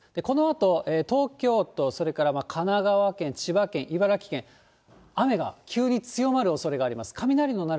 このあと、東京都、それから神奈川県、千葉県、茨城県、雨が急に強まるおそれがあります。